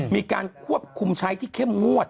มีการควบคุมใช้ที่เข้มงวด